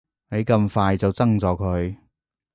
你咁快就憎咗佢